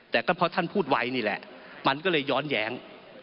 แต่ก็เพราะท่านพูดไว้นี่แหละมันก็เลยย้อนแย้ง